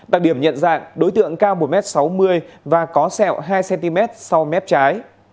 đặc điểm nhận dạng đối tượng cao một m sáu mươi và có sẹo hai cm sau mép trái